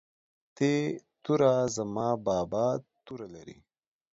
ت توره زما بابا توره لري